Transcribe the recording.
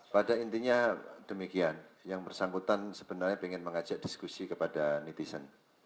pada intinya demikian yang bersangkutan sebenarnya ingin mengajak diskusi kepada netizen